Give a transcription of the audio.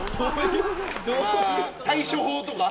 対処法とか？